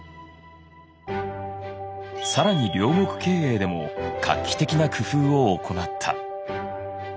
更に領国経営でも画期的な工夫を行った。